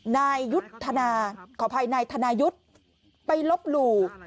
นายยุทธนาขออภัยนายธนายุทธ์ไปลบหลู่